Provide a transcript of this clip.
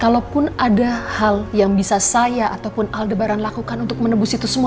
kalaupun ada hal yang bisa saya ataupun aldebaran lakukan untuk menebus itu semua